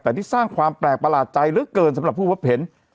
แต่ที่สร้างความแปลกประหลาดใจเหลือเกินสำหรับผู้พบเห็น